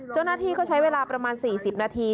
เจ้าหน้าที่ก็ใช้เวลาประมาณ๔๐นาที